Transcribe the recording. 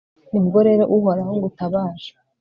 ni bwo rero, uhoraho, ngutabaje